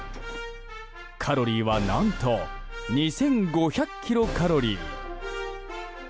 カロリーは何と２５００キロカロリー。